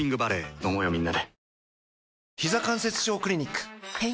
飲もうよみんなで。